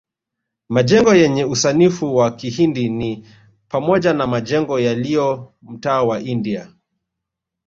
Majengo yenye usanifu wa kihindi ni pamoja na majengo yaliyo mtaa wa India